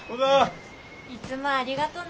いつもありがとね。